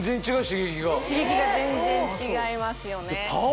刺激が全然違いますよね。